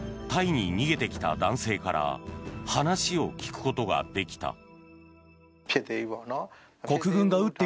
タイに逃げてきた男性から話しを聞くことができた。